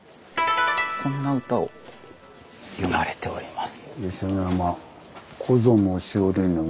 こんな歌を詠まれております。